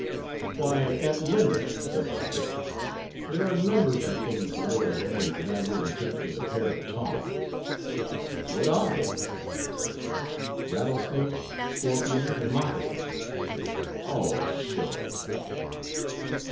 "Why, Aunt Linda," said Robert, "there are numbers of things the Lord has made that I wouldn't touch with a pair of tongs." "What are they?" "Rattlesnakes, scorpions, and moccasins." "Oh, sho!"